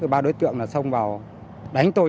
thì ba đối tượng xong vào đánh tôi